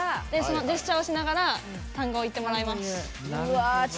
ジェスチャーをしながら単語を言ってもらいます。